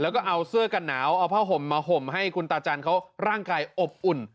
แล้วก็เอาเสื้อกันหนาวเอาผ้าห่มมาห่มให้คุณตาจันทร์เขาร่างกายอบอุ่น